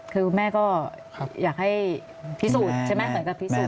คือคุณแม่ก็อยากให้พิสูจน์ใช่ไหมเหมือนกับพิสูจน